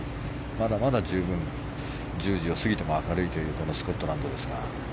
まだまだ十分、１０時を過ぎても明るいというスコットランドですが。